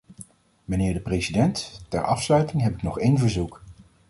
Mijnheer de president, ter afsluiting heb ik nog één verzoek.